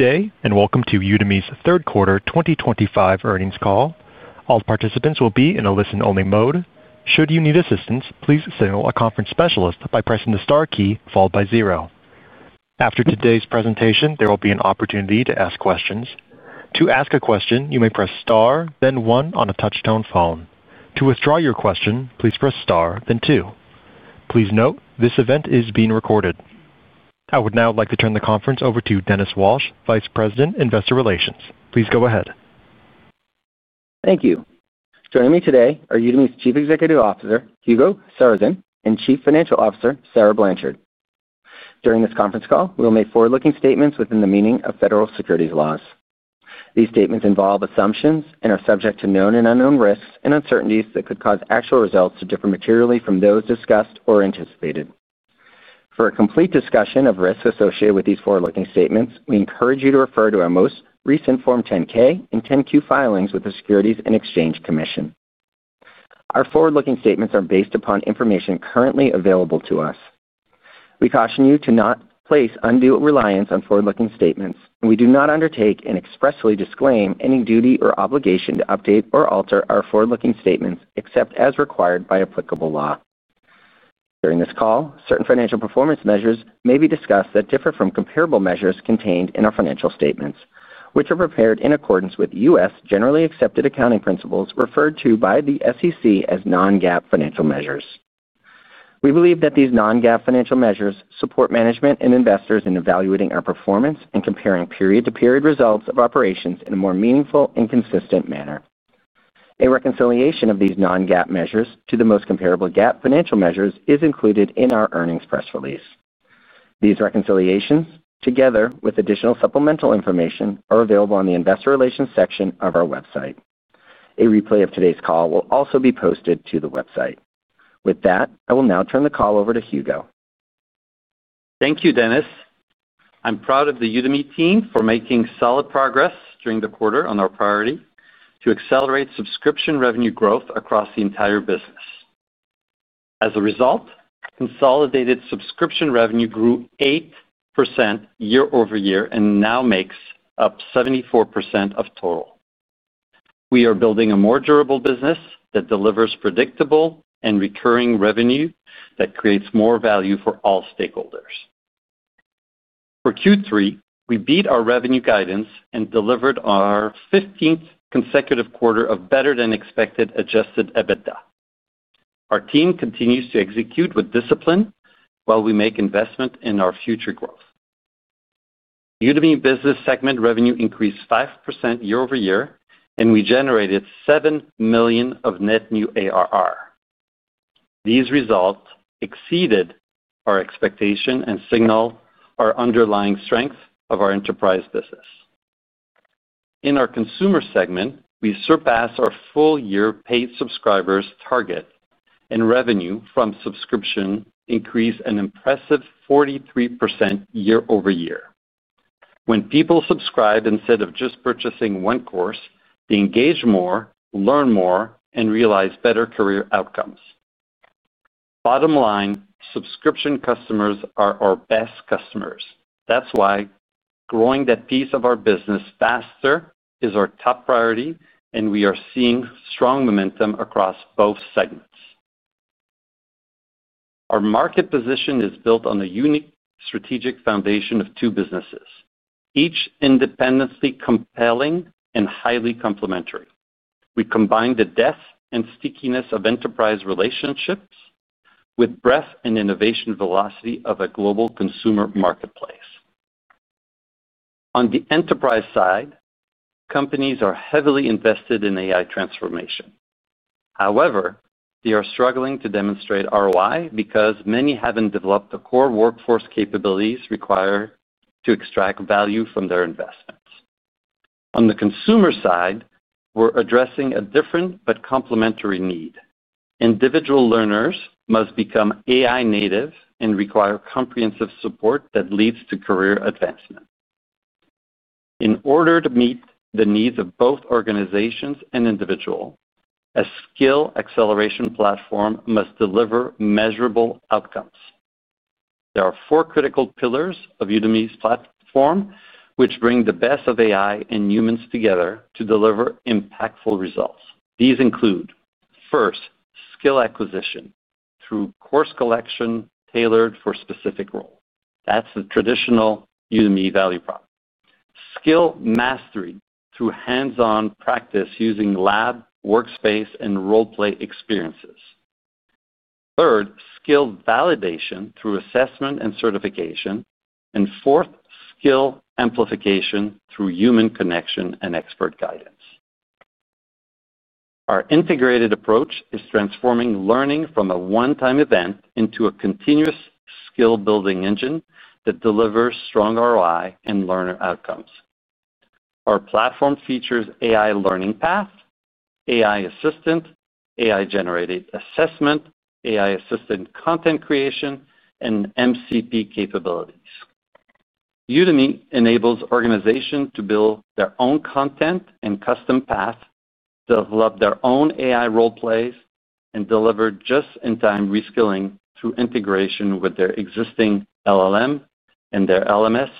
Today, and welcome to Udemy's third quarter 2025 earnings call. All participants will be in a listen-only mode. Should you need assistance, please signal a conference specialist by pressing the star key followed by zero. After today's presentation, there will be an opportunity to ask questions. To ask a question, you may press star, then one on a touch-tone phone. To withdraw your question, please press star, then two. Please note, this event is being recorded. I would now like to turn the conference over to Dennis Walsh, Vice President, Investor Relations. Please go ahead. Thank you. Joining me today are Udemy's Chief Executive Officer, Hugo Sarrazin, and Chief Financial Officer, Sarah Blanchard. During this conference call, we will make forward-looking statements within the meaning of federal securities laws. These statements involve assumptions and are subject to known and unknown risks and uncertainties that could cause actual results to differ materially from those discussed or anticipated. For a complete discussion of risks associated with these forward-looking statements, we encourage you to refer to our most recent Form 10-K and 10-Q filings with the Securities and Exchange Commission. Our forward-looking statements are based upon information currently available to us. We caution you to not place undue reliance on forward-looking statements, and we do not undertake and expressly disclaim any duty or obligation to update or alter our forward-looking statements except as required by applicable law. During this call, certain financial performance measures may be discussed that differ from comparable measures contained in our financial statements, which are prepared in accordance with U.S. generally accepted accounting principles referred to by the SEC as non-GAAP financial measures. We believe that these non-GAAP financial measures support management and investors in evaluating our performance and comparing period-to-period results of operations in a more meaningful and consistent manner. A reconciliation of these non-GAAP measures to the most comparable GAAP financial measures is included in our earnings press release. These reconciliations, together with additional supplemental information, are available on the Investor Relations section of our website. A replay of today's call will also be posted to the website. With that, I will now turn the call over to Hugo. Thank you, Dennis. I'm proud of the Udemy team for making solid progress during the quarter on our priority to accelerate subscription revenue growth across the entire business. As a result, consolidated subscription revenue grew 8% year-over-year and now makes up 74% of total. We are building a more durable business that delivers predictable and recurring revenue that creates more value for all stakeholders. For Q3, we beat our revenue guidance and delivered on our 15th consecutive quarter of better-than-expected adjusted EBITDA. Our team continues to execute with discipline while we make investment in our future growth. Udemy Business segment revenue increased 5% year-over-year, and we generated $7 million of net new ARR. These results exceeded our expectation and signal our underlying strength of our enterprise business. In our consumer segment, we surpassed our full-year paid subscribers' target and revenue from subscription increased an impressive 43% year-over-year. When people subscribe instead of just purchasing one course, they engage more, learn more, and realize better career outcomes. Bottom line, subscription customers are our best customers. That's why growing that piece of our business faster is our top priority, and we are seeing strong momentum across both segments. Our market position is built on a unique strategic foundation of two businesses, each independently compelling and highly complementary. We combine the depth and stickiness of enterprise relationships with the breadth and innovation velocity of a global consumer marketplace. On the enterprise side, companies are heavily invested in AI transformation. However, they are struggling to demonstrate ROI because many haven't developed the core workforce capabilities required to extract value from their investments. On the consumer side, we're addressing a different but complementary need. Individual learners must become AI-native and require comprehensive support that leads to career advancement. In order to meet the needs of both organizations and individuals, a skill acceleration platform must deliver measurable outcomes. There are four critical pillars of Udemy's platform, which bring the best of AI and humans together to deliver impactful results. These include, first, skill acquisition through course collection tailored for specific roles. That's the traditional Udemy value prop. Skill mastery through hands-on practice using lab, workspace, and role-play experiences. Third, skill validation through assessment and certification. Fourth, skill amplification through human connection and expert guidance. Our integrated approach is transforming learning from a one-time event into a continuous skill-building engine that delivers strong ROI and learner outcomes. Our platform features AI-driven learning paths, learning assistant, AI-generated assessment, AI-assisted content creation, and MCP capabilities. Udemy enables organizations to build their own content and custom paths, develop their own AI role plays, and deliver just-in-time reskilling through integration with their existing LLM, their LMS,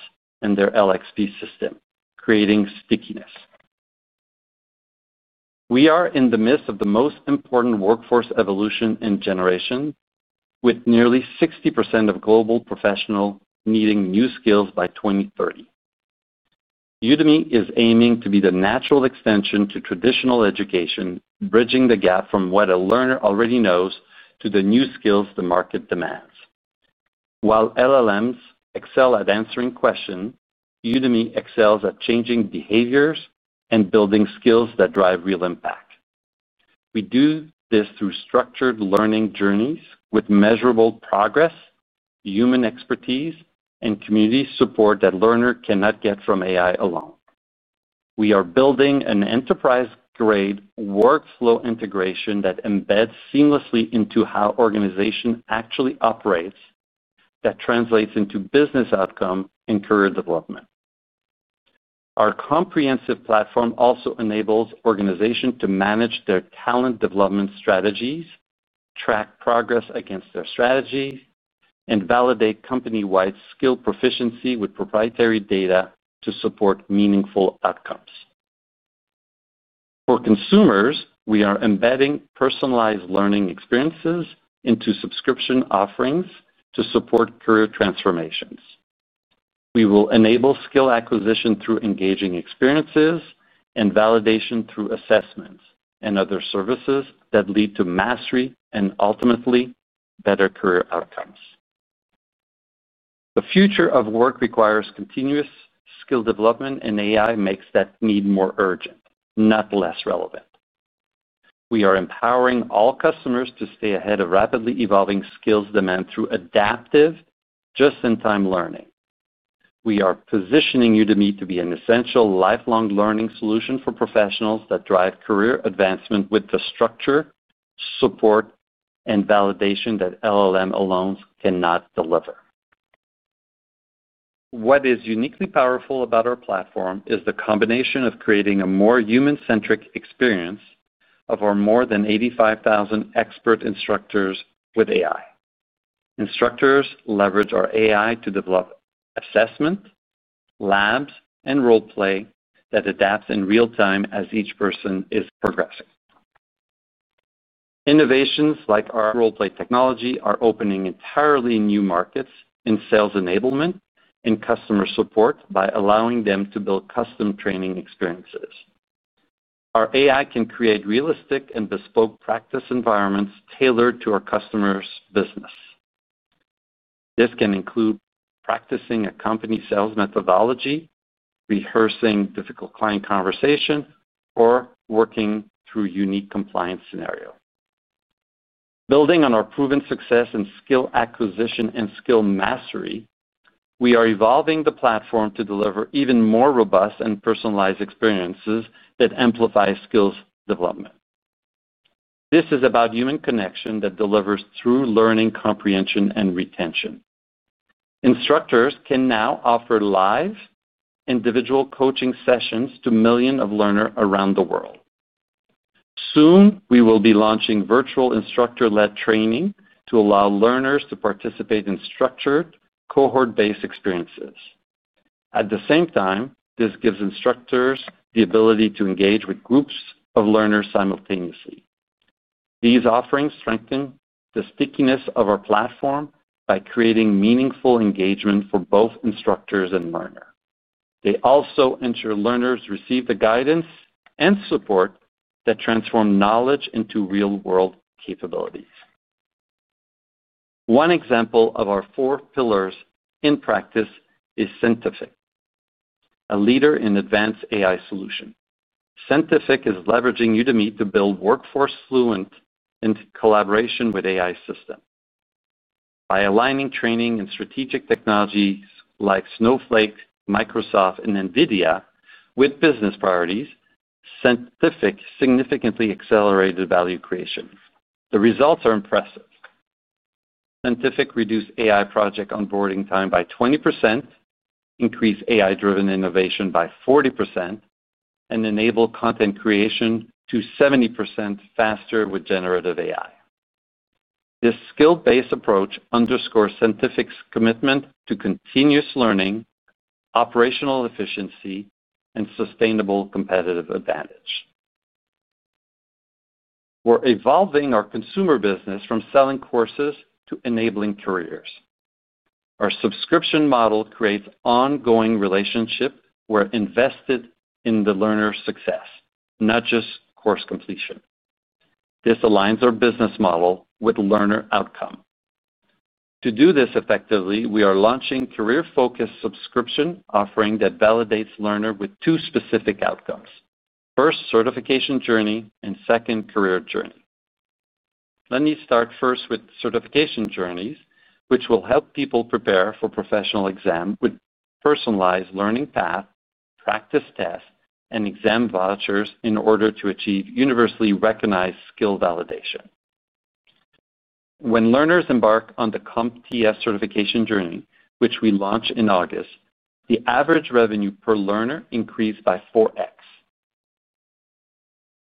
and their LXP system, creating stickiness. We are in the midst of the most important workforce evolution in a generation, with nearly 60% of global professionals needing new skills by 2030. Udemy is aiming to be the natural extension to traditional education, bridging the gap from what a learner already knows to the new skills the market demands. While LLMs excel at answering questions, Udemy excels at changing behaviors and building skills that drive real impact. We do this through structured career journeys with measurable progress, human expertise, and community support that learners cannot get from AI alone. We are building an enterprise-grade workflow integration that embeds seamlessly into how an organization actually operates, which translates into business outcomes and career development. Our comprehensive platform also enables organizations to manage their talent development strategies, track progress against their strategies, and validate company-wide skill proficiency with proprietary data to support meaningful outcomes. For consumers, we are embedding personalized learning experiences into subscription offerings to support career transformations. We will enable skill acquisition through engaging experiences and validation through assessments and other services that lead to mastery and ultimately better career outcomes. The future of work requires continuous skill development, and AI makes that need more urgent, not less relevant. We are empowering all customers to stay ahead of rapidly evolving skills demand through adaptive, just-in-time learning. We are positioning Udemy to be an essential lifelong learning solution for professionals that drives career advancement with the structure, support, and validation that LLM alone cannot deliver. What is uniquely powerful about our platform is the combination of creating a more human-centric experience of our more than 85,000 expert instructors with AI. Instructors leverage our AI to develop assessment, labs, and role play that adapts in real time as each person is progressing. Innovations like our role play technology are opening entirely new markets in sales enablement and customer support by allowing them to build custom training experiences. Our AI can create realistic and bespoke practice environments tailored to our customers' business. This can include practicing a company sales methodology, rehearsing difficult client conversations, or working through a unique compliance scenario. Building on our proven success in skill acquisition and skill mastery, we are evolving the platform to deliver even more robust and personalized experiences that amplify skills development. This is about human connection that delivers through learning comprehension and retention. Instructors can now offer live individual coaching sessions to millions of learners around the world. Soon, we will be launching virtual instructor-led training to allow learners to participate in structured, cohort-based experiences. At the same time, this gives instructors the ability to engage with groups of learners simultaneously. These offerings strengthen the stickiness of our platform by creating meaningful engagement for both instructors and learners. They also ensure learners receive the guidance and support that transform knowledge into real-world capabilities. One example of our four pillars in practice is Centific, a leader in advanced AI solutions. Centific is leveraging Udemy to build workforce fluent collaboration with AI systems. By aligning training and strategic technologies like Snowflake, Microsoft, and NVIDIA with business priorities, Centific significantly accelerated value creation. The results are impressive. Centific reduced AI project onboarding time by 20%, increased AI-driven innovation by 40%, and enabled content creation to 70% faster with generative AI. This skill-based approach underscores Centific's commitment to continuous learning, operational efficiency, and sustainable competitive advantage. We're evolving our consumer business from selling courses to enabling careers. Our subscription model creates ongoing relationships where invested in the learner's success, not just course completion. This aligns our business model with learner outcome. To do this effectively, we are launching a career-focused subscription offering that validates learners with two specific outcomes: first, certification journey, and second, career journey. Let me start first with certification journeys, which will help people prepare for professional exams with personalized learning paths, practice tests, and exam vouchers in order to achieve universally recognized skill validation. When learners embark on the CompTIA certification journey, which we launched in August, the average revenue per learner increased by 4x.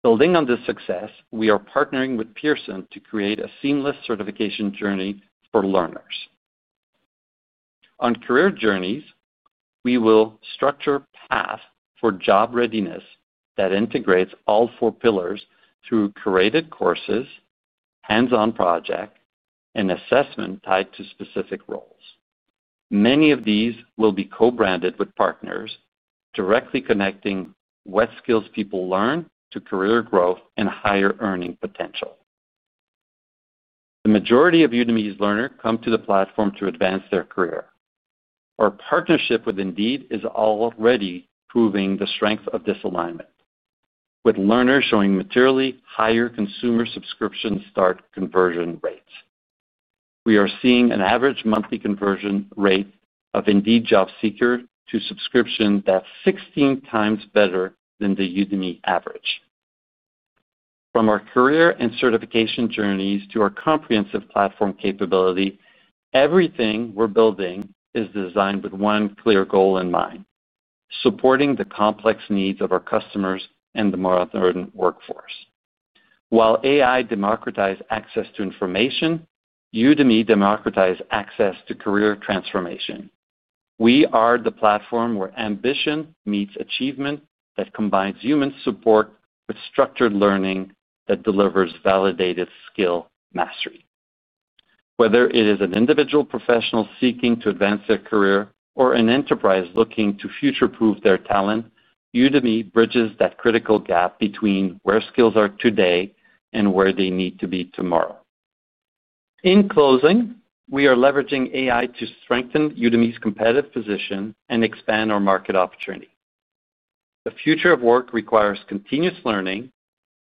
Building on this success, we are partnering with Pearson to create a seamless certification journey for learners. On career journeys, we will structure paths for job readiness that integrates all four pillars through curated courses, hands-on projects, and assessments tied to specific roles. Many of these will be co-branded with partners, directly connecting what skills people learn to career growth and higher earning potential. The majority of Udemy's learners come to the platform to advance their career. Our partnership with Indeed is already proving the strength of this alignment, with learners showing materially higher consumer subscription start conversion rates. We are seeing an average monthly conversion rate of Indeed job seekers to subscription that's 16x better than the Udemy average. From our career and certification journeys to our comprehensive platform capability, everything we're building is designed with one clear goal in mind: supporting the complex needs of our customers and the modern workforce. While AI democratized access to information, Udemy democratized access to career transformation. We are the platform where ambition meets achievement that combines human support with structured learning that delivers validated skill mastery. Whether it is an individual professional seeking to advance their career or an enterprise looking to future-proof their talent, Udemy bridges that critical gap between where skills are today and where they need to be tomorrow. In closing, we are leveraging AI to strengthen Udemy's competitive position and expand our market opportunity. The future of work requires continuous learning,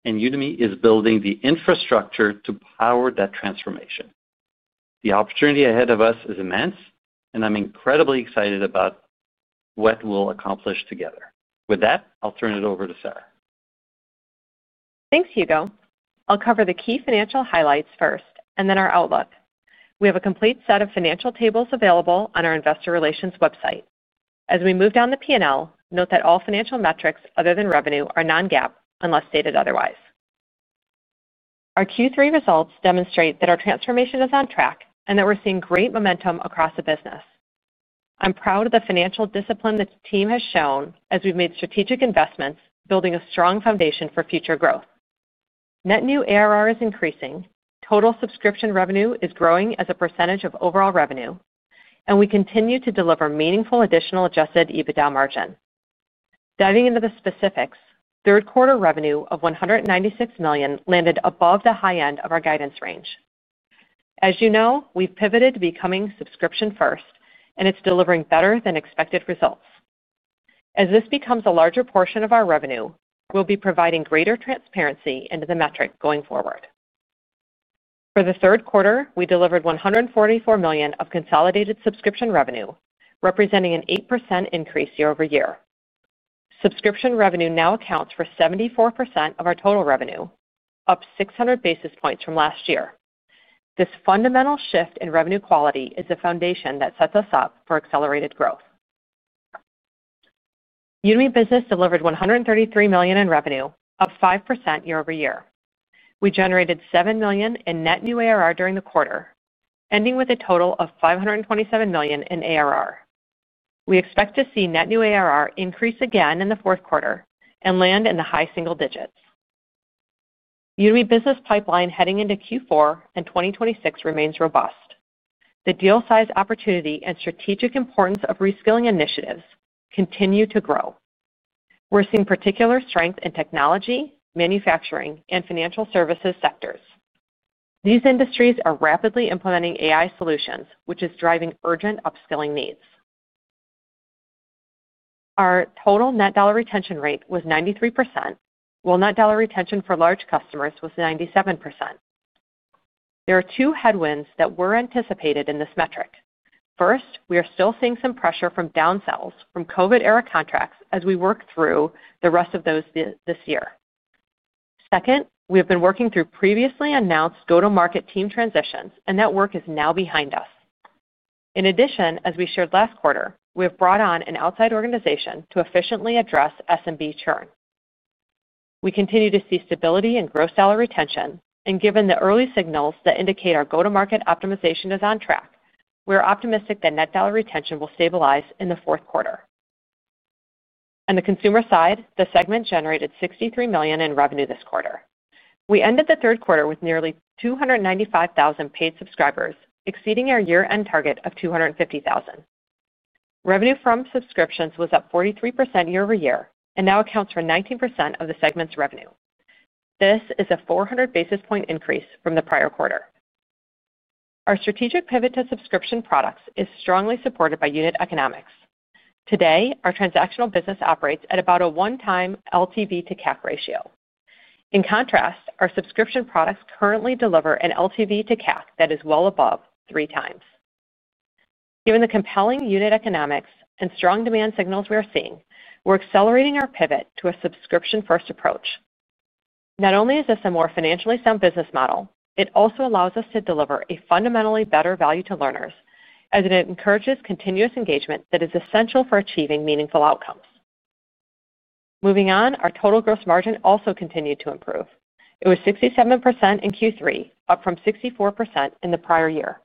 and Udemy is building the infrastructure to power that transformation. The opportunity ahead of us is immense, and I'm incredibly excited about what we'll accomplish together. With that, I'll turn it over to Sarah. Thanks, Hugo. I'll cover the key financial highlights first and then our outlook. We have a complete set of financial tables available on our Investor Relations website. As we move down the P&L, note that all financial metrics other than revenue are non-GAAP unless stated otherwise. Our Q3 results demonstrate that our transformation is on track and that we're seeing great momentum across the business. I'm proud of the financial discipline the team has shown as we've made strategic investments, building a strong foundation for future growth. Net new ARR is increasing, total subscription revenue is growing as a percentage of overall revenue, and we continue to deliver meaningful additional adjusted EBITDA margin. Diving into the specifics, third quarter revenue of $196 million landed above the high end of our guidance range. As you know, we've pivoted to becoming subscription-first, and it's delivering better than expected results. As this becomes a larger portion of our revenue, we'll be providing greater transparency into the metric going forward. For the third quarter, we delivered $144 million of consolidated subscription revenue, representing an 8% increase year-over-year. Subscription revenue now accounts for 74% of our total revenue, up 600 basis points from last year. This fundamental shift in revenue quality is a foundation that sets us up for accelerated growth. Udemy Business delivered $133 million in revenue, up 5% year-over-year. We generated $7 million in net new ARR during the quarter, ending with a total of $527 million in ARR. We expect to see net new ARR increase again in the fourth quarter and land in the high single digits. Udemy Business pipeline heading into Q4 and 2026 remains robust. The deal size opportunity and strategic importance of reskilling initiatives continue to grow. We're seeing particular strength in technology, manufacturing, and financial services sectors. These industries are rapidly implementing AI solutions, which is driving urgent upskilling needs. Our total net dollar retention rate was 93%, while net dollar retention for large customers was 97%. There are two headwinds that were anticipated in this metric. First, we are still seeing some pressure from downsells from COVID-era contracts as we work through the rest of those this year. Second, we have been working through previously announced go-to-market team transitions, and that work is now behind us. In addition, as we shared last quarter, we have brought on an outside organization to efficiently address SMB churn. We continue to see stability in gross dollar retention, and given the early signals that indicate our go-to-market optimization is on track, we're optimistic that net dollar retention will stabilize in the fourth quarter. On the consumer side, the segment generated $63 million in revenue this quarter. We ended the third quarter with nearly 295,000 paid subscribers, exceeding our year-end target of 250,000. Revenue from subscriptions was up 43% year-over-year and now accounts for 19% of the segment's revenue. This is a 400 basis point increase from the prior quarter. Our strategic pivot to subscription products is strongly supported by unit economics. Today, our transactional business operates at about a one-time LTV to CAC ratio. In contrast, our subscription products currently deliver an LTV to CAC that is well above three times. Given the compelling unit economics and strong demand signals we are seeing, we're accelerating our pivot to a subscription-first approach. Not only is this a more financially sound business model, it also allows us to deliver a fundamentally better value to learners, as it encourages continuous engagement that is essential for achieving meaningful outcomes. Moving on, our total gross margin also continued to improve. It was 67% in Q3, up from 64% in the prior year.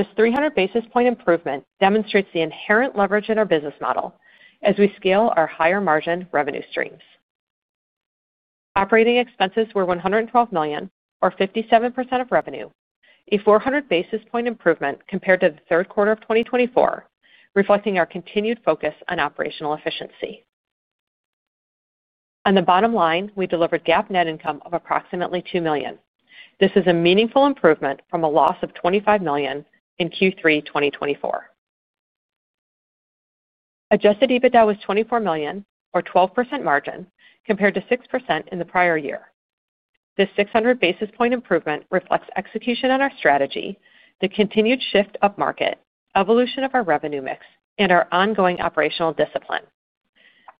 This 300 basis point improvement demonstrates the inherent leverage in our business model as we scale our higher margin revenue streams. Operating expenses were $112 million, or 57% of revenue, a 400 basis point improvement compared to the third quarter of 2024, reflecting our continued focus on operational efficiency. On the bottom line, we delivered GAAP net income of approximately $2 million. This is a meaningful improvement from a loss of $25 million in Q3 2024. Adjusted EBITDA was $24 million, or 12% margin compared to 6% in the prior year. This 600 basis point improvement reflects execution on our strategy, the continued shift up market, evolution of our revenue mix, and our ongoing operational discipline.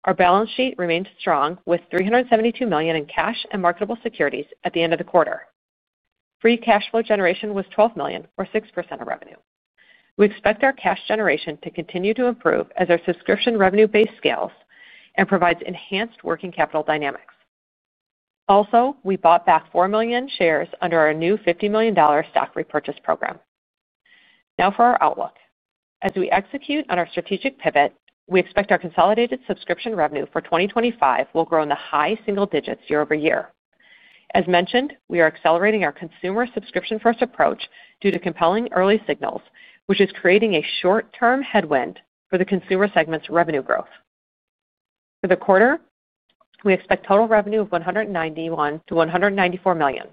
Our balance sheet remains strong with $372 million in cash and marketable securities at the end of the quarter. Free cash flow generation was $12 million, or 6% of revenue. We expect our cash generation to continue to improve as our subscription revenue base scales and provides enhanced working capital dynamics. Also, we bought back 4 million shares under our new $50 million stock repurchase program. Now for our outlook. As we execute on our strategic pivot, we expect our consolidated subscription revenue for 2025 will grow in the high single digits year-over-year. As mentioned, we are accelerating our consumer subscription-first approach due to compelling early signals, which is creating a short-term headwind for the consumer segment's revenue growth. For the quarter, we expect total revenue of $191 million-$194 million.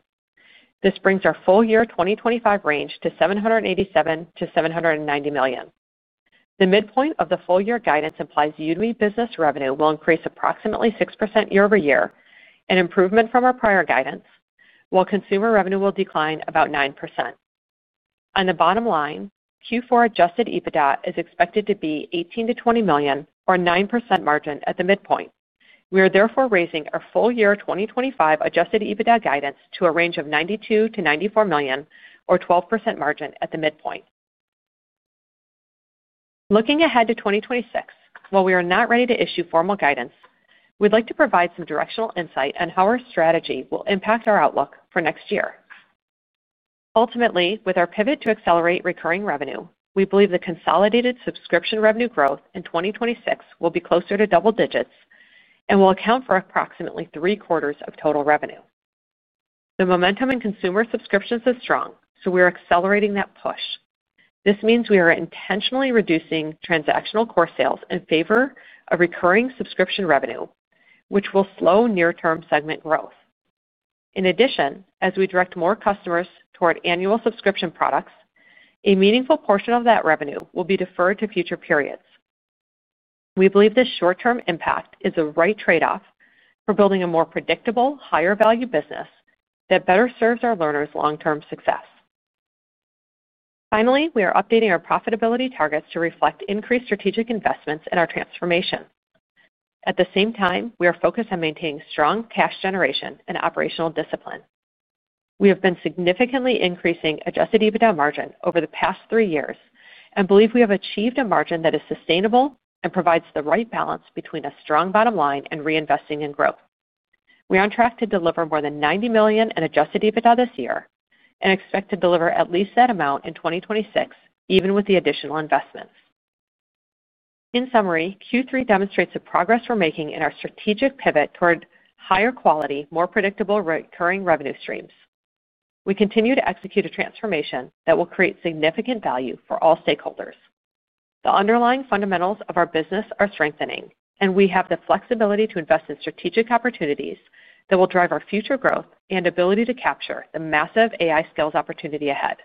This brings our full year 2025 range to $787 million-$790 million. The midpoint of the full year guidance implies Udemy Business revenue will increase approximately 6% year-over-year, an improvement from our prior guidance, while consumer revenue will decline about 9%. On the bottom line, Q4 adjusted EBITDA is expected to be $18 million-$20 million, or 9% margin at the midpoint. We are therefore raising our full year 2025 adjusted EBITDA guidance to a range of $92 million-$94 million, or 12% margin at the midpoint. Looking ahead to 2026, while we are not ready to issue formal guidance, we'd like to provide some directional insight on how our strategy will impact our outlook for next year. Ultimately, with our pivot to accelerate recurring revenue, we believe the consolidated subscription revenue growth in 2026 will be closer to double digits and will account for approximately three quarters of total revenue. The momentum in consumer subscriptions is strong, so we are accelerating that push. This means we are intentionally reducing transactional core sales in favor of recurring subscription revenue, which will slow near-term segment growth. In addition, as we direct more customers toward annual subscription products, a meaningful portion of that revenue will be deferred to future periods. We believe this short-term impact is the right trade-off for building a more predictable, higher-value business that better serves our learners' long-term success. Finally, we are updating our profitability targets to reflect increased strategic investments in our transformation. At the same time, we are focused on maintaining strong cash generation and operational discipline. We have been significantly increasing adjusted EBITDA margin over the past three years and believe we have achieved a margin that is sustainable and provides the right balance between a strong bottom line and reinvesting in growth. We are on track to deliver more than $90 million in adjusted EBITDA this year and expect to deliver at least that amount in 2026, even with the additional investments. In summary, Q3 demonstrates the progress we're making in our strategic pivot toward higher quality, more predictable recurring revenue streams. We continue to execute a transformation that will create significant value for all stakeholders. The underlying fundamentals of our business are strengthening, and we have the flexibility to invest in strategic opportunities that will drive our future growth and ability to capture the massive AI skills opportunity ahead.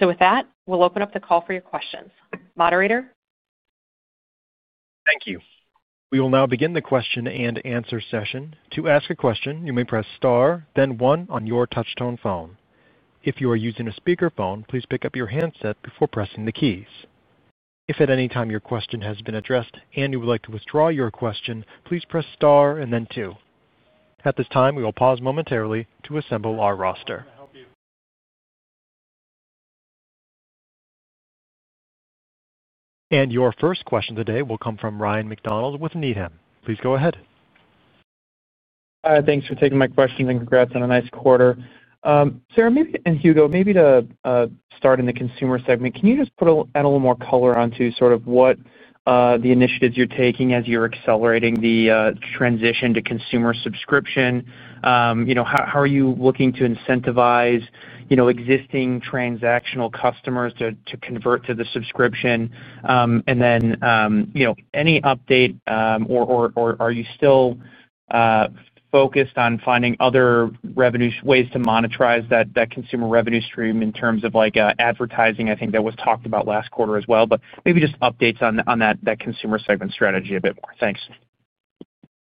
With that, we'll open up the call for your questions. Moderator? Thank you. We will now begin the question and answer session. To ask a question, you may press star, then one on your touch-tone phone. If you are using a speaker phone, please pick up your handset before pressing the keys. If at any time your question has been addressed and you would like to withdraw your question, please press star and then two. At this time, we will pause momentarily to assemble our roster. Your first question today will come from Ryan MacDonald with Needham. Please go ahead. Thanks for taking my questions and congrats on a nice quarter. Sarah and Hugo, maybe to start in the consumer segment, can you just add a little more color onto what the initiatives you're taking as you're accelerating the transition to consumer subscription? How are you looking to incentivize existing transactional customers to convert to the subscription? Any update or are you still focused on finding other ways to monetize that consumer revenue stream in terms of advertising? I think that was talked about last quarter as well, maybe just updates on that consumer segment strategy a bit more. Thanks.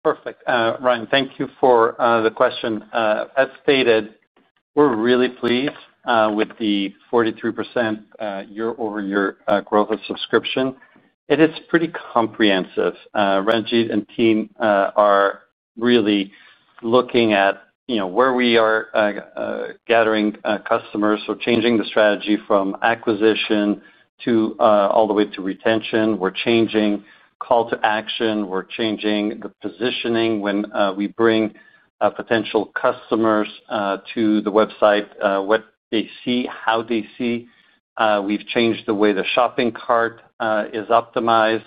Perfect. Ryan, thank you for the question. As stated, we're really pleased with the 43% year-over-year growth of subscription. It is pretty comprehensive. Ranjit and team are really looking at where we are gathering customers, so changing the strategy from acquisition all the way to retention. We're changing call to action. We're changing the positioning when we bring potential customers to the website, what they see, how they see. We've changed the way the shopping cart is optimized.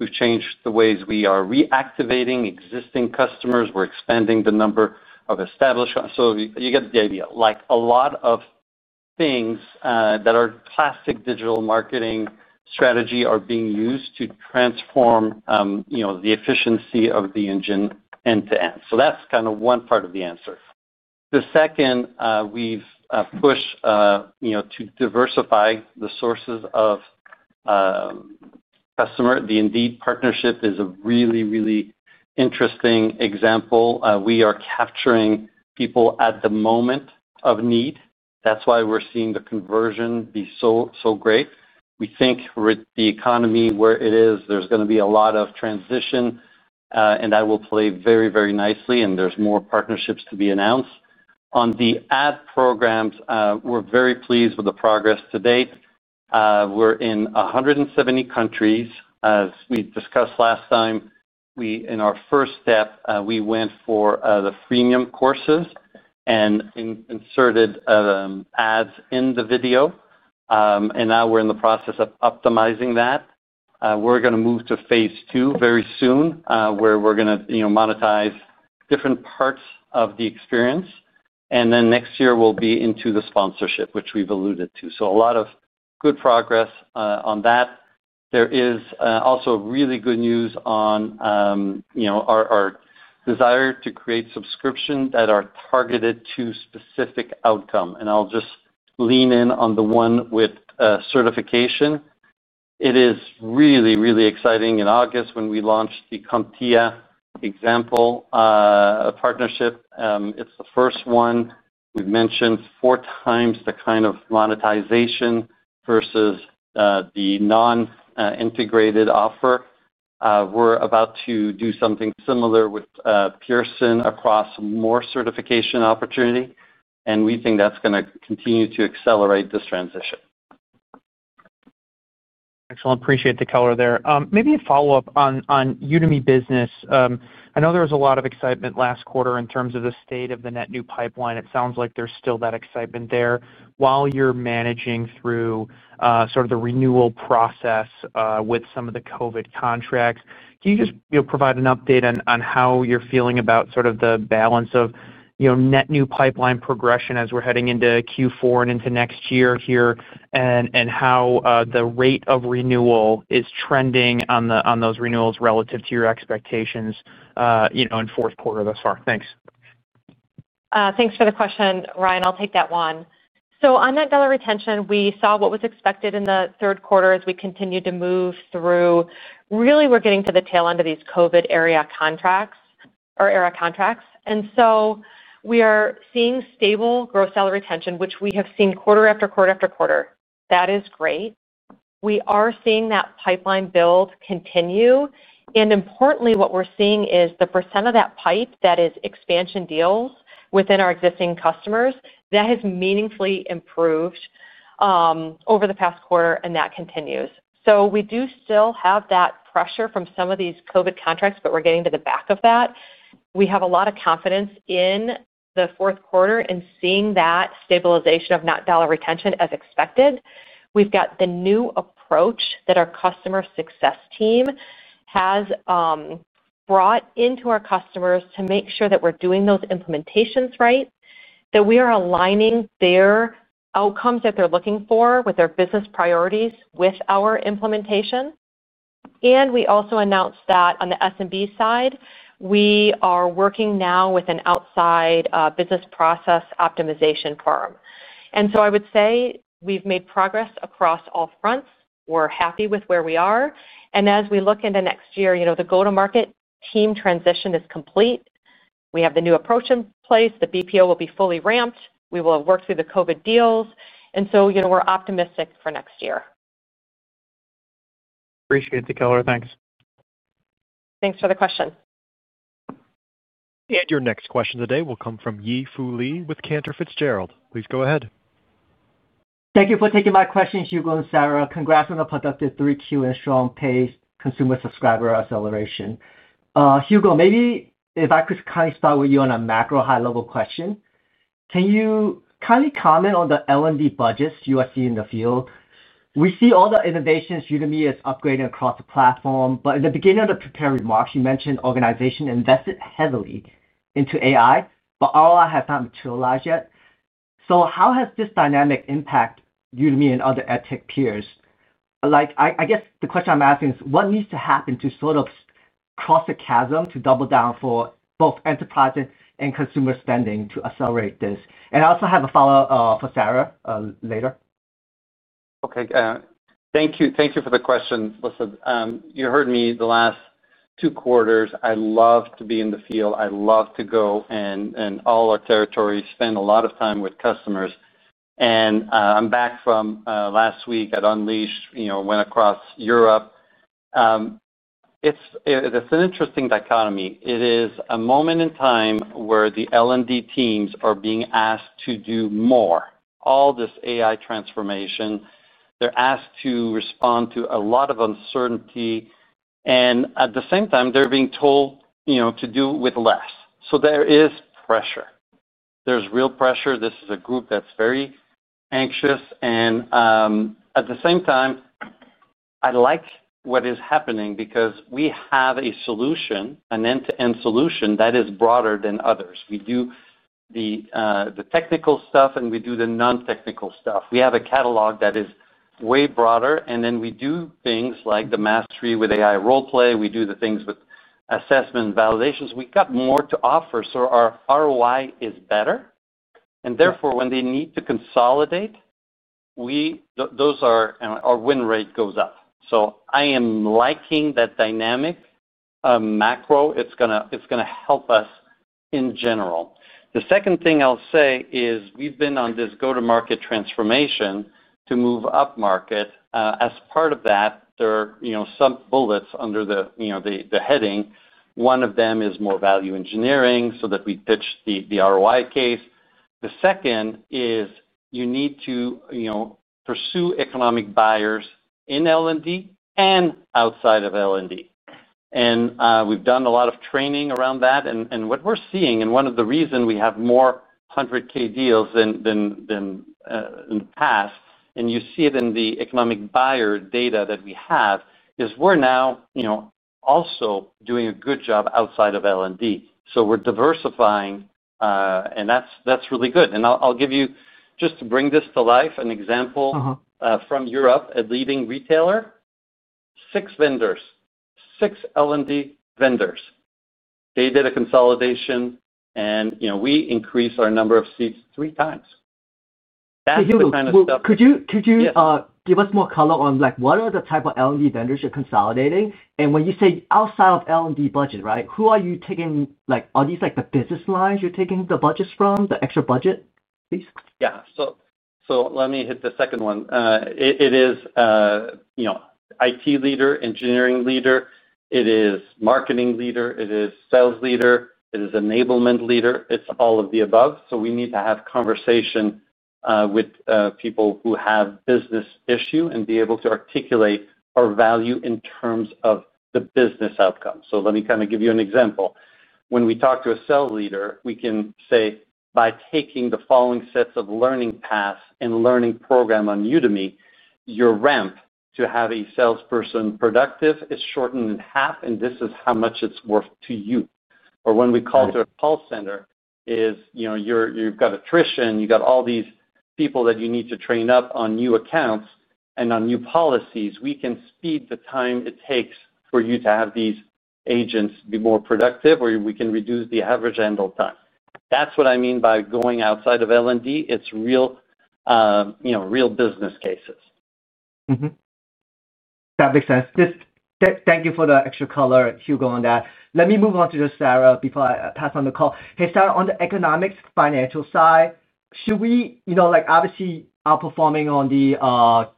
We've changed the ways we are reactivating existing customers. We're expanding the number of established customers. You get the idea. A lot of things that are classic digital marketing strategy are being used to transform the efficiency of the engine end-to-end. That's kind of one part of the answer. The second, we've pushed to diversify the sources of customers. The Indeed partnership is a really, really interesting example. We are capturing people at the moment of need. That's why we're seeing the conversion be so great. We think with the economy where it is, there's going to be a lot of transition, and that will play very, very nicely, and there's more partnerships to be announced. On the ad programs, we're very pleased with the progress today. We're in 170 countries. As we discussed last time, in our first step, we went for the freemium courses and inserted ads in the video, and now we're in the process of optimizing that. We're going to move to phase two very soon, where we're going to monetize different parts of the experience. Next year, we'll be into the sponsorship, which we've alluded to. A lot of good progress on that. There is also really good news on our desire to create subscriptions that are targeted to specific outcomes. I'll just lean in on the one with certification. It is really, really exciting in August when we launched the CompTIA example partnership. It's the first one. We've mentioned four times the kind of monetization versus the non-integrated offer. We're about to do something similar with Pearson across more certification opportunities, and we think that's going to continue to accelerate this transition. Excellent. Appreciate the color there. Maybe a follow-up on Udemy Business. I know there was a lot of excitement last quarter in terms of the state of the net new pipeline. It sounds like there's still that excitement there. While you're managing through the renewal process with some of the COVID contracts, can you just provide an update on how you're feeling about the balance of net new pipeline progression as we're heading into Q4 and into next year here, and how the rate of renewal is trending on those renewals relative to your expectations in the fourth quarter thus far? Thanks. Thanks for the question, Ryan. I'll take that one. On net dollar retention, we saw what was expected in the third quarter as we continued to move through. We're getting to the tail end of these COVID-era contracts. We are seeing stable gross dollar retention, which we have seen quarter after quarter after quarter. That is great. We are seeing that pipeline build continue. Importantly, what we're seeing is the percent of that pipe that is expansion deals within our existing customers that has meaningfully improved over the past quarter, and that continues. We do still have that pressure from some of these COVID contracts, but we're getting to the back of that. We have a lot of confidence in the fourth quarter and seeing that stabilization of net dollar retention as expected. We've got the new approach that our Customer Success team has brought into our customers to make sure that we're doing those implementations right, that we are aligning their outcomes that they're looking for with their business priorities with our implementation. We also announced that on the SMB side, we are working now with an outside business process optimization firm. I would say we've made progress across all fronts. We're happy with where we are. As we look into next year, the go-to-market team transition is complete. We have the new approach in place. The BPO will be fully ramped. We will work through the COVID deals. We're optimistic for next year. Appreciate the color. Thanks. Thanks for the question. Your next question today will come from Yi Fu Lee with Cantor Fitzgerald. Please go ahead. Thank you for taking my question, Hugo and Sarah. Congrats on a productive Q3 and strong pace consumer subscriber acceleration. Hugo, maybe if I could kindly start with you on a macro high-level question. Can you kindly comment on the L&D budgets you are seeing in the field? We see all the innovations Udemy is upgrading across the platform. In the beginning of the prepared remarks, you mentioned organizations invested heavily into AI, but ROI has not materialized yet. How has this dynamic impacted Udemy and other edtech peers? I guess the question I'm asking is, what needs to happen to sort of cross the chasm to double down for both enterprise and consumer spending to accelerate this? I also have a follow-up for Sarah later. Okay. Thank you. Thank you for the question, Hugo. You heard me the last two quarters. I love to be in the field. I love to go in all our territories, spend a lot of time with customers. I'm back from last week at Unleashed. I went across Europe. It's an interesting dichotomy. It is a moment in time where the L&D teams are being asked to do more. All this AI transformation, they're asked to respond to a lot of uncertainty. At the same time, they're being told to do with less. There is pressure. There's real pressure. This is a group that's very anxious. At the same time, I like what is happening because we have a solution, an end-to-end solution that is broader than others. We do the technical stuff, and we do the non-technical stuff. We have a catalog that is way broader. We do things like the mastery with AI role play. We do the things with assessment and validations. We've got more to offer. Our ROI is better. Therefore, when they need to consolidate, our win rate goes up. I am liking that dynamic macro. It's going to help us in general. The second thing I'll say is we've been on this go-to-market transformation to move up market. As part of that, there are some bullets under the heading. One of them is more value engineering so that we pitch the ROI case. The second is you need to pursue economic buyers in L&D and outside of L&D. We've done a lot of training around that. What we're seeing, and one of the reasons we have more $100,000 deals than in the past, and you see it in the economic buyer data that we have, is we're now also doing a good job outside of L&D. We're diversifying, and that's really good. I'll give you, just to bring this to life, an example from Europe, a leading retailer. Six vendors, six L&D vendors. They did a consolidation, and we increased our number of seats three times. That's the kind of stuff. Could you give us more color on what are the type of L&D vendors you're consolidating? When you say outside of L&D budget, right, who are you taking? Are these like the business lines you're taking the budgets from, the extra budget piece? Yeah. Let me hit the second one. It is IT leader, engineering leader, marketing leader, sales leader, enablement leader. It's all of the above. We need to have conversation with people who have business issues and be able to articulate our value in terms of the business outcome. Let me kind of give you an example. When we talk to a sales leader, we can say, by taking the following sets of learning paths and learning programs on Udemy, your ramp to have a salesperson productive is shortened in half, and this is how much it's worth to you. When we call to a call center, you've got attrition. You've got all these people that you need to train up on new accounts and on new policies. We can speed the time it takes for you to have these agents be more productive, or we can reduce the average handle time. That's what I mean by going outside of L&D. It's real business cases. That makes sense. Thank you for the extra color, Hugo, on that. Let me move on to Sarah before I pass on the call. Hey, Sarah, on the economics financial side, should we, you know, obviously outperforming on the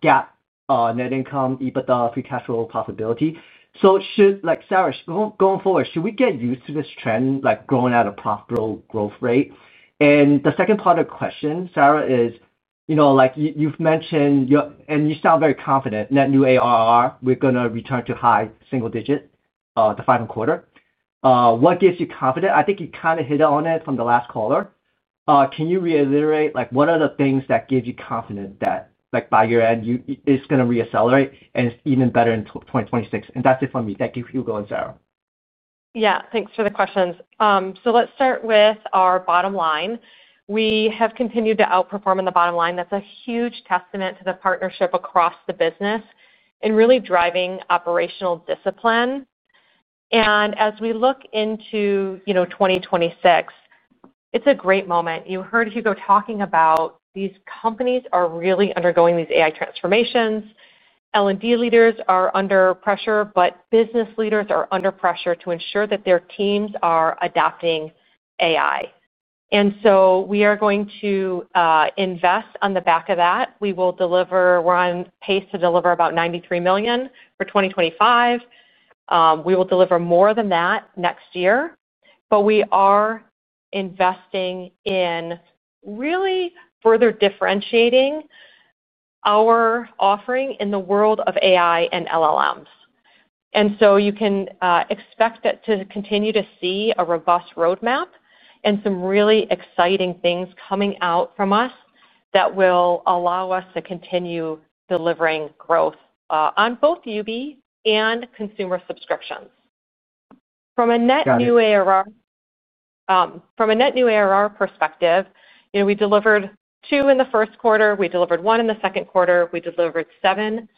GAAP net income, EBITDA, free cash flow possibility. Should we, Sarah, going forward, get used to this trend, growing at a profitable growth rate? The second part of the question, Sarah, is you've mentioned, you sound very confident, net new ARR, we're going to return to high single digits the final quarter. What gives you confidence? I think you kind of hit on it from the last caller. Can you reiterate what are the things that give you confidence that by year end, it's going to reaccelerate and it's even better in 2026? That's it for me. Thank you, Hugo and Sarah. Yeah. Thanks for the questions. Let's start with our bottom line. We have continued to outperform in the bottom line. That's a huge testament to the partnership across the business and really driving operational discipline. As we look into 2026, it's a great moment. You heard Hugo talking about these companies are really undergoing these AI transformations. L&D leaders are under pressure, but business leaders are under pressure to ensure that their teams are adapting AI. We are going to invest on the back of that. We will deliver. We're on pace to deliver about $93 million for 2025. We will deliver more than that next year. We are investing in really further differentiating our offering in the world of AI and LLMs. You can expect to continue to see a robust roadmap and some really exciting things coming out from us that will allow us to continue delivering growth on both Udemy Business and consumer subscriptions. From a net new ARR perspective, we delivered two in the first quarter, one in the second quarter, and seven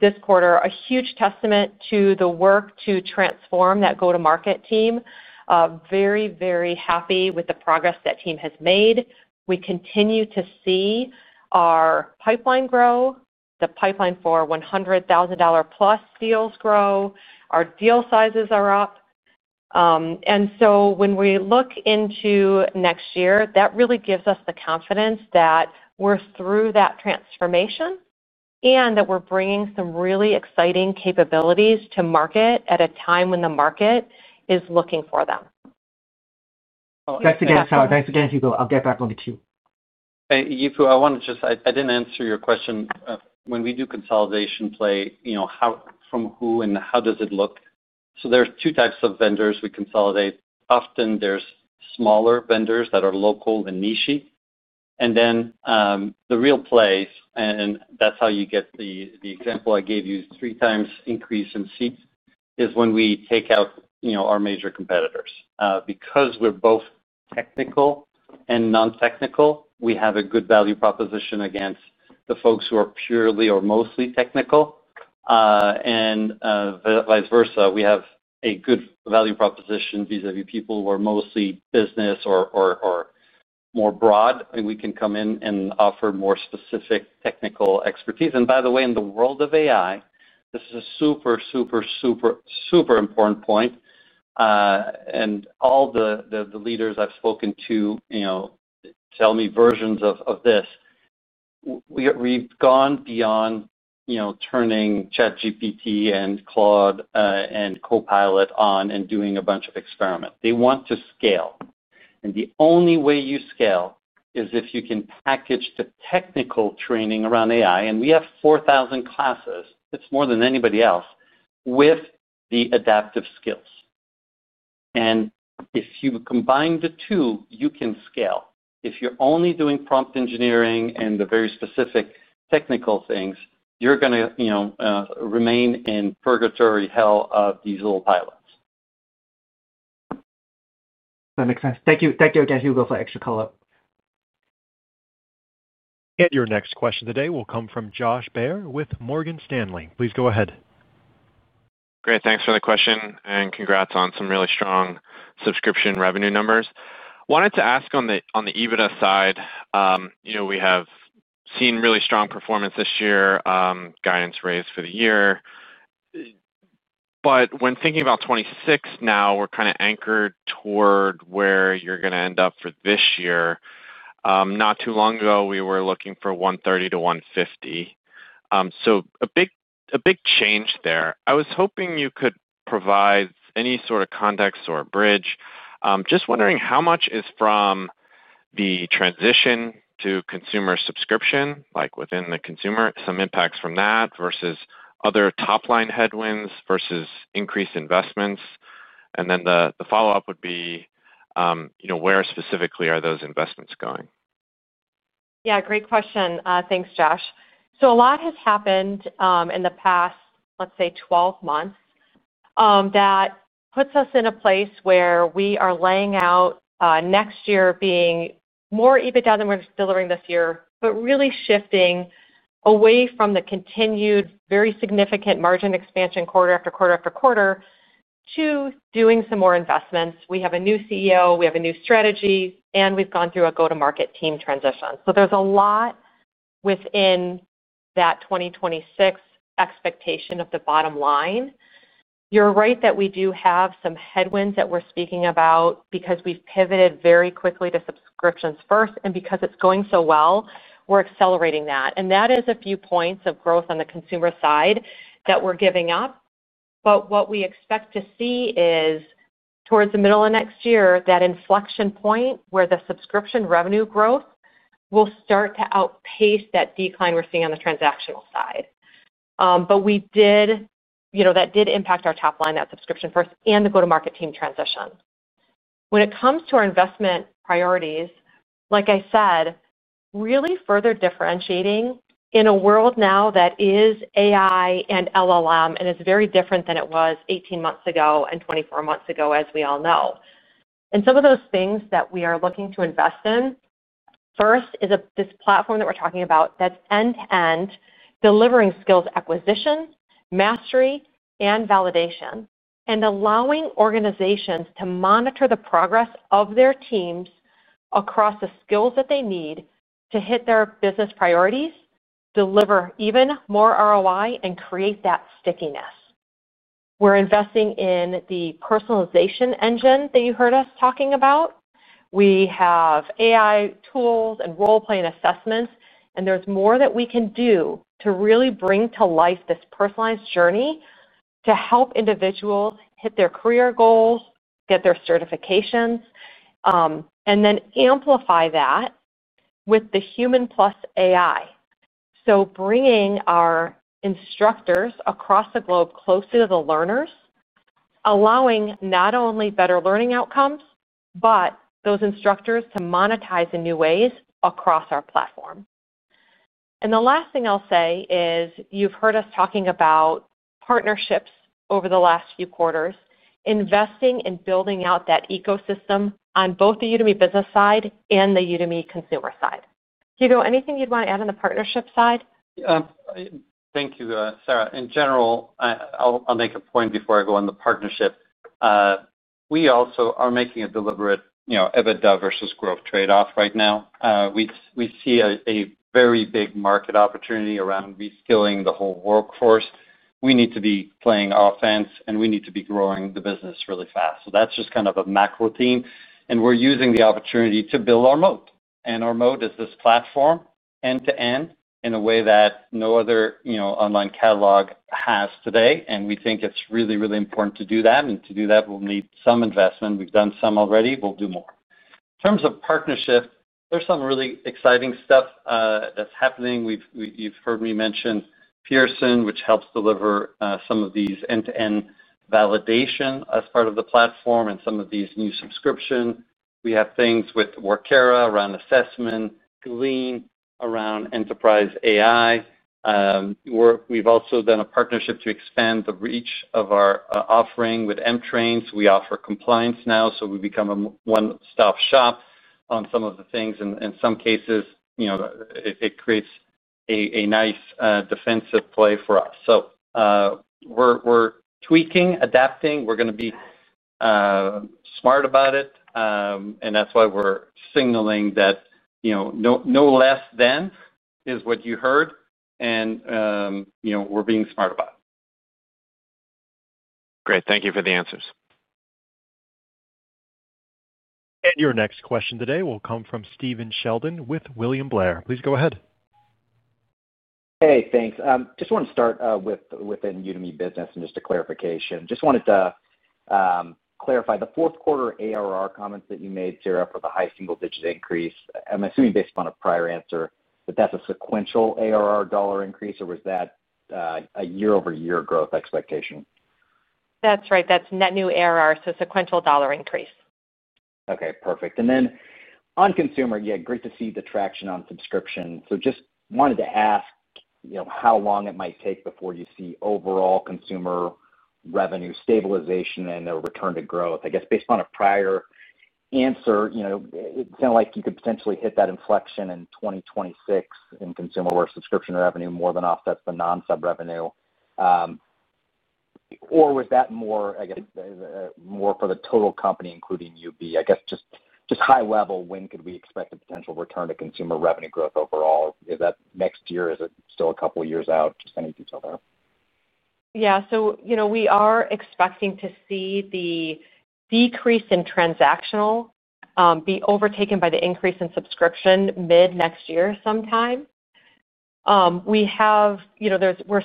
this quarter, a huge testament to the work to transform that go-to-market team. Very, very happy with the progress that team has made. We continue to see our pipeline grow, the pipeline for $100,000+ deals grow. Our deal sizes are up. When we look into next year, that really gives us the confidence that we're through that transformation and that we're bringing some really exciting capabilities to market at a time when the market is looking for them. Thanks again, Sarah. Thanks again, Hugo. I'll get back on the queue. Hey, Yi Fu, I want to just, I didn't answer your question. When we do consolidation play, you know from who and how does it look? There are two types of vendors we consolidate. Often, there are smaller vendors that are local and niche. The real plays, and that's how you get the example I gave you, three times increase in seats, is when we take out our major competitors. Because we're both technical and non-technical, we have a good value proposition against the folks who are purely or mostly technical. We also have a good value proposition vis-à-vis people who are mostly business or more broad. We can come in and offer more specific technical expertise. By the way, in the world of AI, this is a super, super, super, super important point. All the leaders I've spoken to tell me versions of this. We've gone beyond turning ChatGPT and Claude and Copilot on and doing a bunch of experiments. They want to scale. The only way you scale is if you can package the technical training around AI. We have 4,000 classes. It's more than anybody else with the adaptive skills. If you combine the two, you can scale. If you're only doing prompt engineering and the very specific technical things, you're going to remain in purgatory hell of these little pilots. That makes sense. Thank you. Thank you again, Hugo, for the extra color. Your next question today will come from Josh Baer with Morgan Stanley. Please go ahead. Great. Thanks for the question and congrats on some really strong subscription revenue numbers. I wanted to ask on the EBITDA side, you know we have seen really strong performance this year, guidance raised for the year. When thinking about 2026 now, we're kind of anchored toward where you're going to end up for this year. Not too long ago, we were looking for $130 million-$150 million. A big change there. I was hoping you could provide any sort of context or a bridge. Just wondering how much is from the transition to consumer subscription, like within the consumer, some impacts from that versus other top-line headwinds versus increased investments? The follow-up would be, you know where specifically are those investments going? Yeah, great question. Thanks, Josh. A lot has happened in the past, let's say, 12 months that puts us in a place where we are laying out next year being more EBITDA than we're delivering this year, but really shifting away from the continued very significant margin expansion quarter after quarter after quarter to doing some more investments. We have a new CEO. We have a new strategy, and we've gone through a go-to-market team transition. There's a lot within that 2026 expectation of the bottom line. You're right that we do have some headwinds that we're speaking about because we've pivoted very quickly to subscriptions first. Because it's going so well, we're accelerating that. That is a few points of growth on the consumer side that we're giving up. What we expect to see is towards the middle of next year, that inflection point where the subscription revenue growth will start to outpace that decline we're seeing on the transactional side. That did impact our top line, that subscription first, and the go-to-market team transition. When it comes to our investment priorities, like I said, really further differentiating in a world now that is AI and LLM and is very different than it was 18 months ago and 24 months ago, as we all know. Some of those things that we are looking to invest in first is this platform that we're talking about that's end-to-end delivering skills acquisition, mastery, and validation, and allowing organizations to monitor the progress of their teams across the skills that they need to hit their business priorities, deliver even more ROI, and create that stickiness. We're investing in the personalization engine that you heard us talking about. We have AI tools and role-playing assessments, and there's more that we can do to really bring to life this personalized journey to help individuals hit their career goals, get their certifications, and then amplify that with the human plus AI. Bringing our instructors across the globe closer to the learners allows not only better learning outcomes, but those instructors to monetize in new ways across our platform. The last thing I'll say is you've heard us talking about partnerships over the last few quarters, investing in building out that ecosystem on both the Udemy Business side and the Udemy consumer side. Hugo, anything you'd want to add on the partnership side? Thank you, Sarah. In general, I'll make a point before I go on the partnership. We also are making a deliberate EBITDA versus growth trade-off right now. We see a very big market opportunity around reskilling the whole workforce. We need to be playing offense, and we need to be growing the business really fast. That's just kind of a macro theme. We're using the opportunity to build our moat. Our moat is this platform end-to-end in a way that no other online catalog has today. We think it's really, really important to do that. To do that, we'll need some investment. We've done some already. We'll do more. In terms of partnerships, there's some really exciting stuff that's happening. You've heard me mention Pearson, which helps deliver some of these end-to-end validation as part of the platform and some of these new subscriptions. We have things with Workera around assessment, Glean around enterprise AI. We've also done a partnership to expand the reach of our offering with M-Trains. We offer compliance now, so we become a one-stop shop on some of the things. In some cases, it creates a nice defensive play for us. We're tweaking, adapting. We're going to be smart about it. That's why we're signaling that no less than is what you heard. We're being smart about it. Great. Thank you for the answers. Your next question today will come from Steven Sheldon with William Blair. Please go ahead. Hey, thanks. I just want to start within Udemy Business and just a clarification. Just wanted to clarify the fourth quarter ARR comments that you made, Sarah, for the high single-digit increase. I'm assuming based upon a prior answer that that's a sequential ARR dollar increase, or was that a year-over-year growth expectation? That's right. That's net new ARR, so sequential dollar increase. Okay. Perfect. On consumer, great to see the traction on subscription. I just wanted to ask how long it might take before you see overall consumer revenue stabilization and a return to growth. Based on a prior answer, it sounded like you could potentially hit that inflection in 2026 in consumer where subscription revenue more than offsets the non-sub revenue. Was that more for the total company, including Udemy Business? High level, when could we expect a potential return to consumer revenue growth overall? Is that next year? Is it still a couple of years out? Any detail there? Yeah. We are expecting to see the decrease in transactional be overtaken by the increase in subscription mid-next year sometime. We are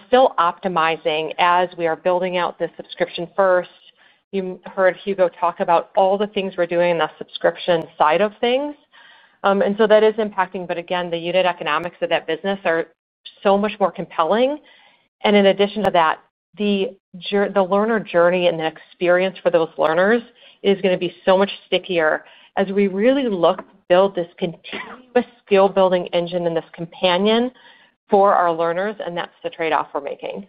still optimizing as we are building out this subscription first. You heard Hugo talk about all the things we're doing in the subscription side of things. That is impacting. The unit economics of that business are so much more compelling. In addition to that, the learner journey and the experience for those learners is going to be so much stickier as we really look to build this continuous skill-building engine and this companion for our learners. That's the trade-off we're making.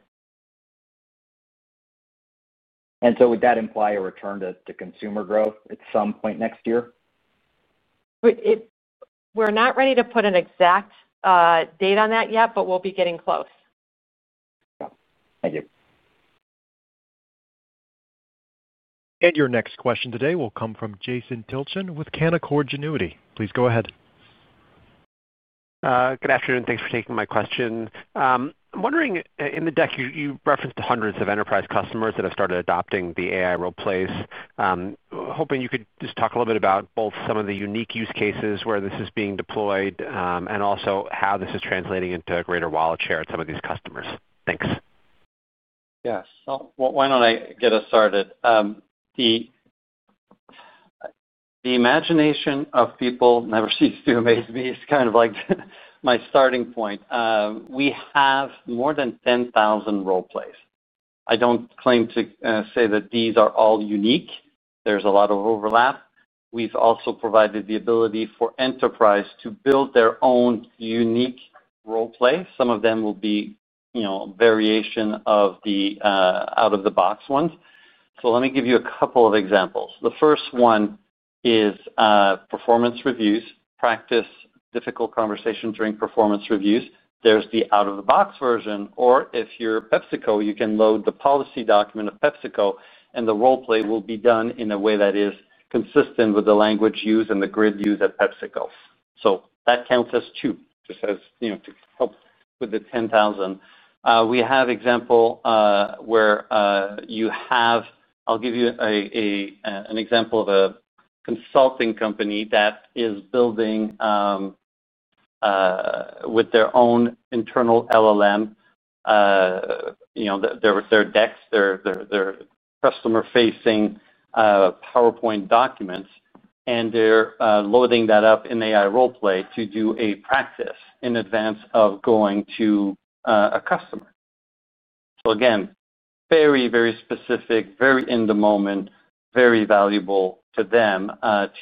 Would that imply a return to consumer growth at some point next year? We're not ready to put an exact date on that yet, but we'll be getting close. Got it. Thank you. Your next question today will come from Jason Tilchen with Canaccord Genuity. Please go ahead. Good afternoon. Thanks for taking my question. I'm wondering, in the deck, you referenced the hundreds of enterprise customers that have started adopting the AI role plays. Hoping you could just talk a little bit about both some of the unique use cases where this is being deployed, and also how this is translating into greater wallet share at some of these customers. Thanks. Yeah. Why don't I get us started? The imagination of people never ceases to amaze me, is kind of like my starting point. We have more than 10,000 role plays. I don't claim to say that these are all unique. There's a lot of overlap. We've also provided the ability for enterprise to build their own unique role plays. Some of them will be a variation of the out-of-the-box ones. Let me give you a couple of examples. The first one is performance reviews, practice difficult conversations during performance reviews. There's the out-of-the-box version, or if you're PepsiCo, you can load the policy document of PepsiCo, and the role play will be done in a way that is consistent with the language used and the grid used at PepsiCo. That counts as two, just as you know to help with the 10,000. We have an example where you have, I'll give you an example of a consulting company that is building with their own internal LLM, their decks, their customer-facing PowerPoint documents, and they're loading that up in AI role play to do a practice in advance of going to a customer. Again, very, very specific, very in the moment, very valuable to them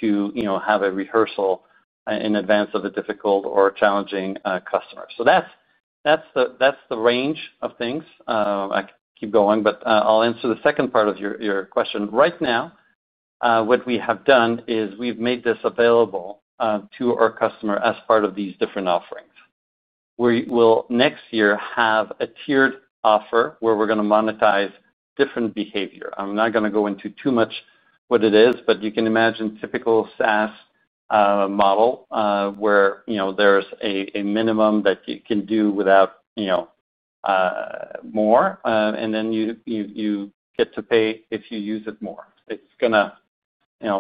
to have a rehearsal in advance of a difficult or challenging customer. That's the range of things. I can keep going, but I'll answer the second part of your question. Right now, what we have done is we've made this available to our customer as part of these different offerings. We will next year have a tiered offer where we're going to monetize different behavior. I'm not going to go into too much what it is, but you can imagine a typical SaaS model where there's a minimum that you can do without more, and then you get to pay if you use it more. It's going to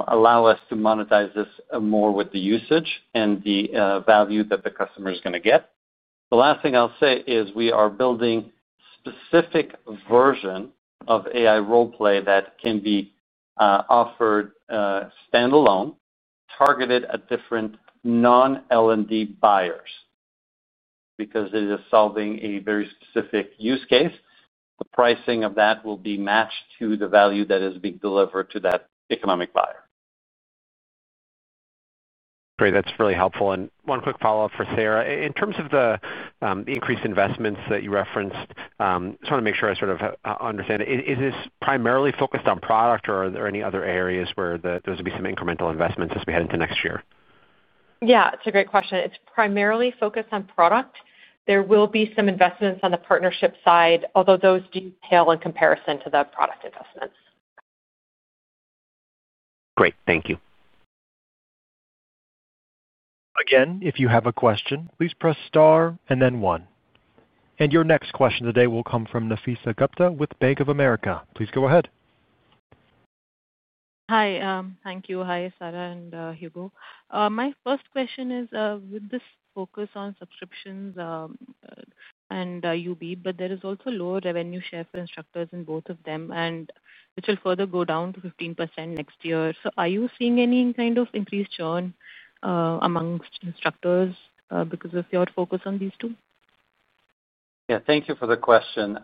allow us to monetize this more with the usage and the value that the customer is going to get. The last thing I'll say is we are building a specific version of AI role play that can be offered standalone, targeted at different non-L&D buyers because it is solving a very specific use case. The pricing of that will be matched to the value that is being delivered to that economic buyer. Great. That's really helpful. One quick follow-up for Sarah. In terms of the increased investments that you referenced, I just want to make sure I sort of understand it. Is this primarily focused on product, or are there any other areas where there's going to be some incremental investments as we head into next year? Yeah. It's a great question. It's primarily focused on product. There will be some investments on the partnership side, although those do pale in comparison to the product investments. Great. Thank you. If you have a question, please press star and then one. Your next question today will come from Nafeesa Gupta with Bank of America. Please go ahead. Hi. Thank you. Hi, Sarah and Hugo. My first question is, with this focus on subscriptions and Udemy Business, but there is also lower revenue share for instructors in both of them, and it will further go down to 15% next year. Are you seeing any kind of increased churn amongst instructors because of your focus on these two? Thank you for the question.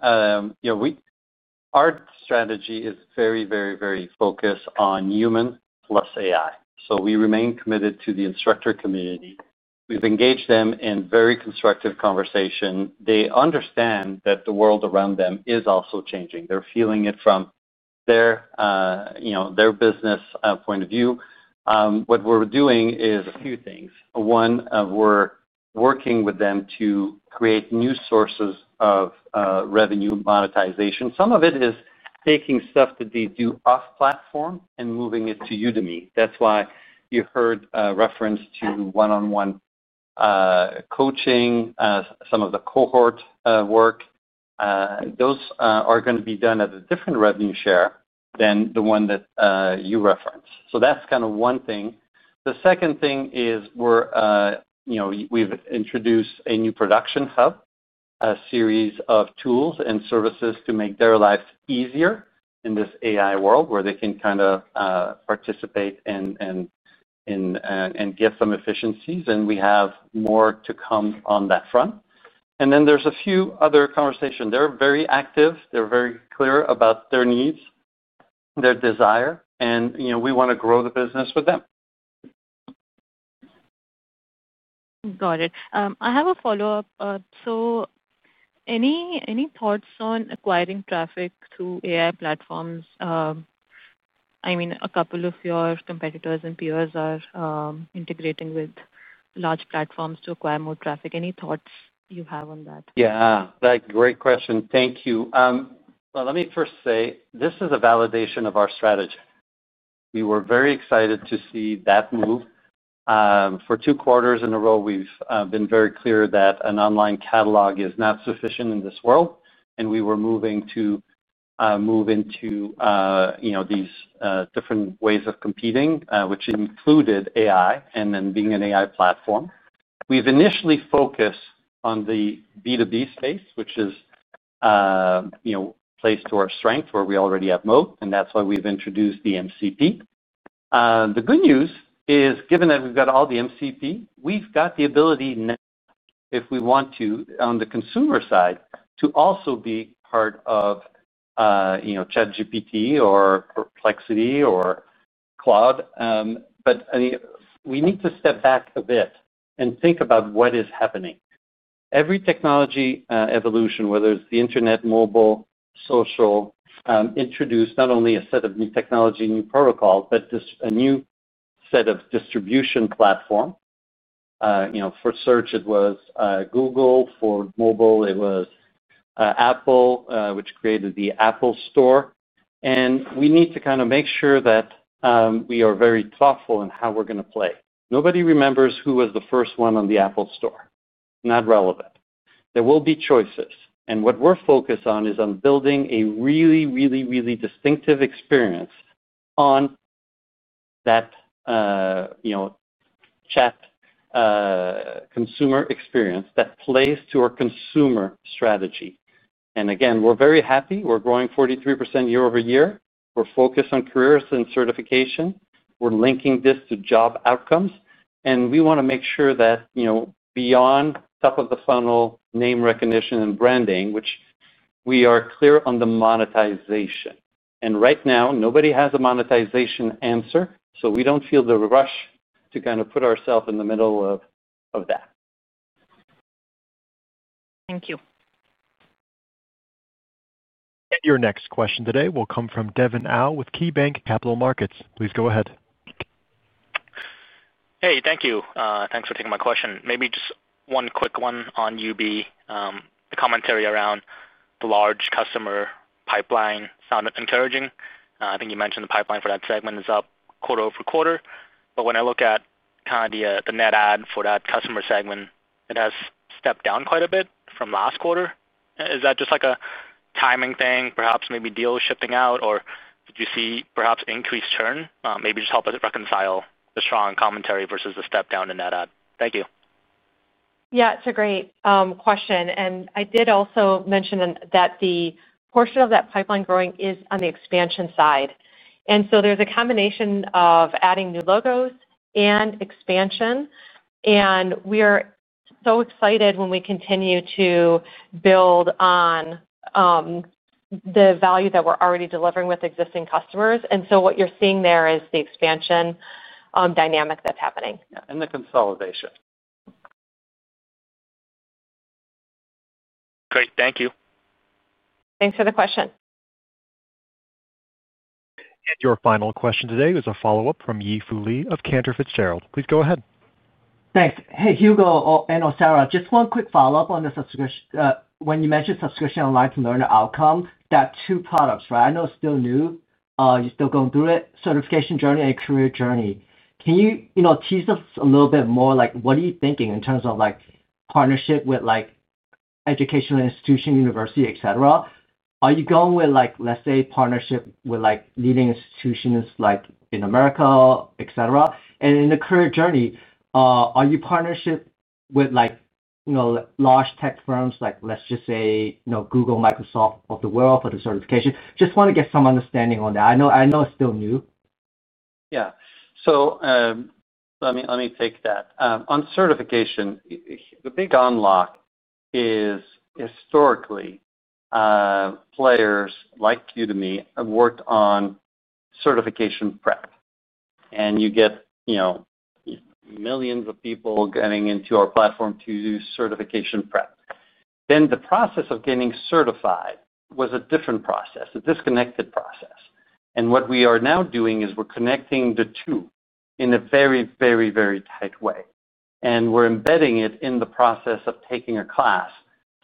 Our strategy is very, very, very focused on human plus AI. We remain committed to the instructor community. We've engaged them in very constructive conversations. They understand that the world around them is also changing. They're feeling it from their business point of view. What we're doing is a few things. One, we're working with them to create new sources of revenue monetization. Some of it is taking stuff that they do off-platform and moving it to Udemy. That's why you heard a reference to one-on-one coaching, some of the cohort work. Those are going to be done at a different revenue share than the one that you referenced. That's kind of one thing. The second thing is we've introduced a new production hub, a series of tools and services to make their lives easier in this AI world where they can participate and get some efficiencies. We have more to come on that front. There are a few other conversations. They're very active. They're very clear about their needs, their desire, and you know we want to grow the business with them. Got it. I have a follow-up. Any thoughts on acquiring traffic through AI platforms? I mean, a couple of your competitors and peers are integrating with large platforms to acquire more traffic. Any thoughts you have on that? Yeah, that's a great question. Thank you. Let me first say this is a validation of our strategy. We were very excited to see that move. For two quarters in a row, we've been very clear that an online catalog is not sufficient in this world, and we were moving to move into these different ways of competing, which included AI and then being an AI platform. We've initially focused on the B2B space, which is a place to our strength where we already have moat, and that's why we've introduced the MCP. The good news is, given that we've got all the MCP, we've got the ability now, if we want to, on the consumer side, to also be part of ChatGPT or Perplexity or Claude. We need to step back a bit and think about what is happening. Every technology evolution, whether it's the internet, mobile, social, introduced not only a set of new technology and new protocols, but just a new set of distribution platforms. For search, it was Google. For mobile, it was Apple, which created the Apple Store. We need to kind of make sure that we are very thoughtful in how we're going to play. Nobody remembers who was the first one on the Apple Store. Not relevant. There will be choices. What we're focused on is on building a really, really, really distinctive experience on that chat consumer experience that plays to our consumer strategy. Again, we're very happy. We're growing 43% year-over-year. We're focused on careers and certification. We're linking this to job outcomes. We want to make sure that, you know, beyond top of the funnel, name recognition, and branding, which we are clear on the monetization. Right now, nobody has a monetization answer, so we don't feel the rush to kind of put ourselves in the middle of that. Thank you. Your next question today will come from Devin Au with KeyBanc Capital Markets. Please go ahead. Hey, thank you. Thanks for taking my question. Maybe just one quick one on UB. The commentary around the large customer pipeline sounded encouraging. I think you mentioned the pipeline for that segment is up quarter over quarter. When I look at kind of the net add for that customer segment, it has stepped down quite a bit from last quarter. Is that just like a timing thing? Perhaps maybe deals shifting out, or did you see perhaps increased churn? Maybe just help us reconcile the strong commentary versus the step down in that add. Thank you. Yeah, it's a great question. I did also mention that the portion of that pipeline growing is on the expansion side. There's a combination of adding new logos and expansion. We are so excited when we continue to build on the value that we're already delivering with existing customers. What you're seeing there is the expansion dynamic that's happening. Yeah, the consolidation. Great. Thank you. Thanks for the question. Your final question today is a follow-up from Yi Fu Lee of Cantor Fitzgerald. Please go ahead. Thanks. Hey, Hugo and Sarah, just one quick follow-up on the subscription. When you mentioned subscription online to learn the outcomes, there are two products, right? I know it's still new. You're still going through it: certification journey and career journey. Can you tease us a little bit more? What are you thinking in terms of partnership with educational institutions, university, etc.? Are you going with, let's say, partnership with leading institutions like in America, etc.? In the career journey, are you partnership with large tech firms like, let's just say, Google, Microsoft of the world for the certification? Just want to get some understanding on that. I know it's still new. Yeah. Let me take that. On certification, the big unlock is historically, players like Udemy have worked on certification prep. You get, you know, millions of people getting into our platform to do certification prep. The process of getting certified was a different process, a disconnected process. What we are now doing is we're connecting the two in a very, very, very tight way. We're embedding it in the process of taking a class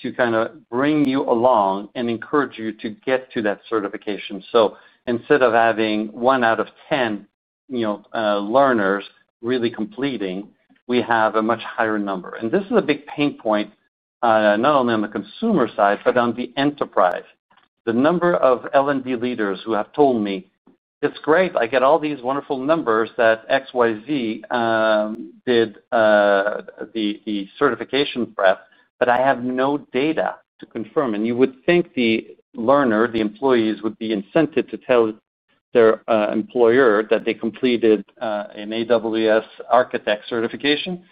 to kind of bring you along and encourage you to get to that certification. Instead of having 1 out of 10 learners really completing, we have a much higher number. This is a big pain point, not only on the consumer side, but on the enterprise. The number of L&D leaders who have told me, "It's great. I get all these wonderful numbers that XYZ did the certification prep, but I have no data to confirm." You would think the learner, the employees, would be incented to tell their employer that they completed an AWS architect certification.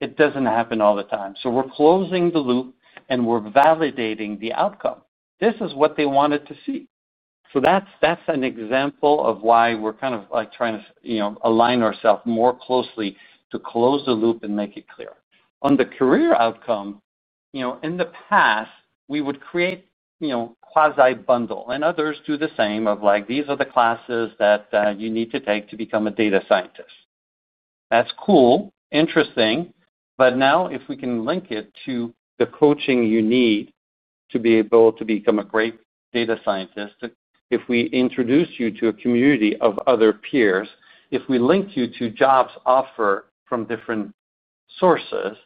It doesn't happen all the time. We're closing the loop and we're validating the outcome. This is what they wanted to see. That's an example of why we're kind of like trying to align ourselves more closely to close the loop and make it clear. On the career outcome, you know, in the past, we would create, you know, quasi bundle, and others do the same of like, "These are the classes that you need to take to become a data scientist." That's cool, interesting. Now, if we can link it to the coaching you need to be able to become a great data scientist, if we introduce you to a community of other peers, if we link you to jobs offered from different sources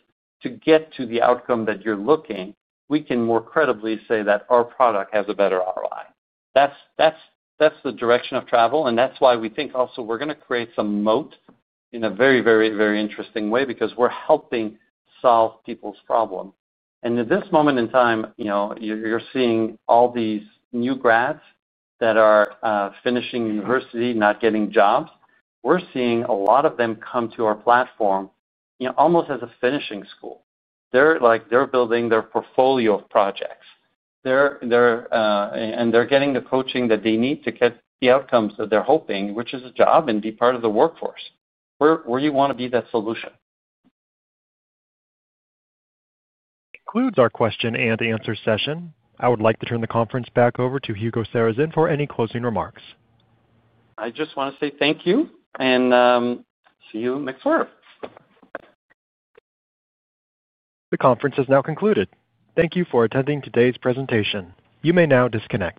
to get to the outcome that you're looking, we can more credibly say that our product has a better ROI. That's the direction of travel. That's why we think also we're going to create some moat in a very, very, very interesting way because we're helping solve people's problems. At this moment in time, you're seeing all these new grads that are finishing university, not getting jobs. We're seeing a lot of them come to our platform, you know, almost as a finishing school. They're like they're building their portfolio of projects. They're getting the coaching that they need to get the outcomes that they're hoping, which is a job and be part of the workforce. We want to be that solution. That concludes our question and answer session. I would like to turn the conference back over to Hugo Sarrazin for any closing remarks. I just want to say thank you, and see you next quarter. The conference has now concluded. Thank you for attending today's presentation. You may now disconnect.